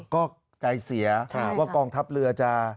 ก็ใจเสียว่ากองทัพเรือจะ